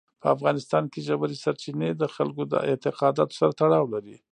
په افغانستان کې ژورې سرچینې د خلکو د اعتقاداتو سره تړاو لري.